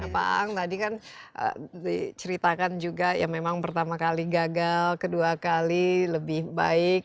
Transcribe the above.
pak ang tadi kan diceritakan juga ya memang pertama kali gagal kedua kali lebih baik